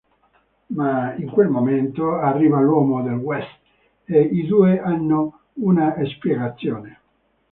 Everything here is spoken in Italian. Ma, in quel momento, arriva l'uomo del West e i due hanno una spiegazione.